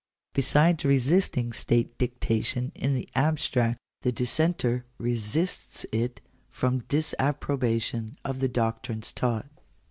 Besides resisting state dictation in the abstract, the 'dissenter resists it from disapprobation of the doctrines taught.